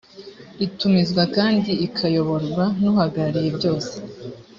itumizwa kandi ikayoborwa n uhagarariyebyose